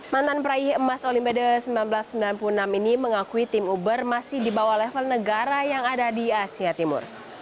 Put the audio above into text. mantan peraih emas olimpiade seribu sembilan ratus sembilan puluh enam ini mengakui tim uber masih di bawah level negara yang ada di asia timur